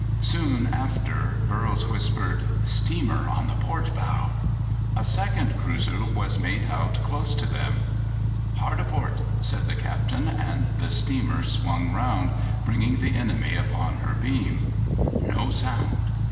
Soon after Burroughs whispered: "Steamer on the port bow." A second cruiser was made out close to them. "Hard a port," said the captain, and the steamer swung round, bringing the enemy upon her beam. No sound!